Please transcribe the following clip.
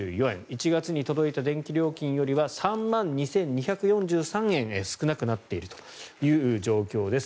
１月に届いた電気料金よりは３万２２４３円少なくなっているという状況です。